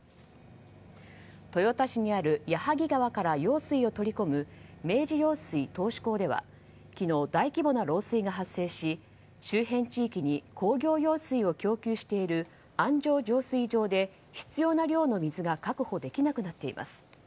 豊田市にある矢作川から用水を取り込む明治用水頭首では昨日、大規模な漏水が発生し周辺地域に工業用水を供給している安城浄水場で必要な量の水が確保できなくなっています。